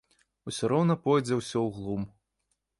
Усё роўна пойдзе ўсё ў глум.